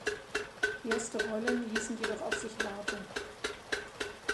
Erste Rollen ließen jedoch auf sich warten.